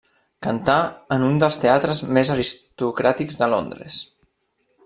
Cantà en un dels teatres més aristocràtics de Londres.